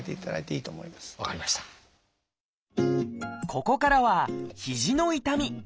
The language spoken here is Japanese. ここからは「肘の痛み」。